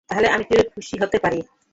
তাহলে আমি কিভাবে খুশি হতে পারি?